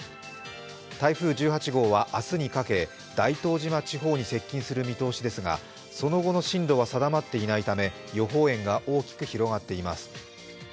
台風１８号は明日にかけ、大東島地方に接近する見通しですが、その後の進路は定まっていないため予報円が大きく広がっています。